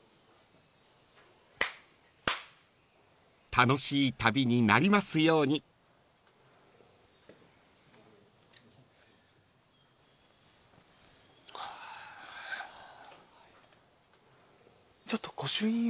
［楽しい旅になりますように］ちょっと。